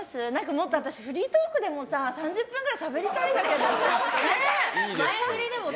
もっとフリートークでも３０分くらいしゃべりたいんだけど。